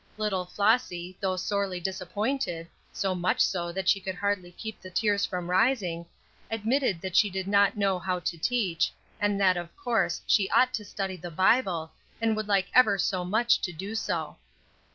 Little Flossy, though sorely disappointed, so much so that she could hardly keep the tears from rising, admitted that she did not know how to teach, and that, of course, she ought to study the Bible, and would like ever so much to do so.